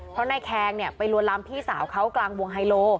เพราะนายแคงไปลวนลำพี่สาวเขากลางวงไฮโล